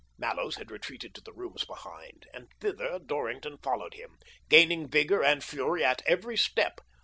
Mallows had retreated to the rooms behind, and thither Dorrington followed him, gaining vigour and fury at every step.